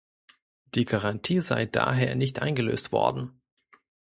Die "Garantie" sei daher nicht eingelöst worden.